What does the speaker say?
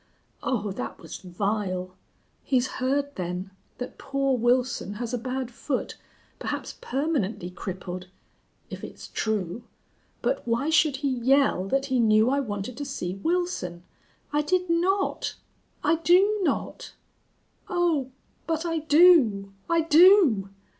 Oh, that was vile. He's heard, then, that poor Wilson has a bad foot, perhaps permanently crippled.... If it's true.... But why should he yell that he knew I wanted to see Wilson?... I did not! I do not.... Oh, but I do, I do!"